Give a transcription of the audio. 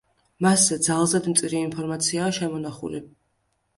მასზე ძალზედ მწირი ინფორმაციაა შემონახული.